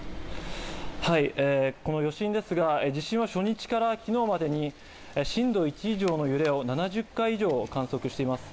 余震ですが、地震は初日から昨日までに震度１以上の揺れを７０回以上観測しています。